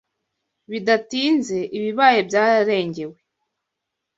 Bidatinze, ibibaya byararengewe